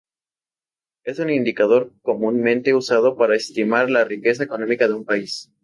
Es un indicador comúnmente usado para estimar la riqueza económica de un país.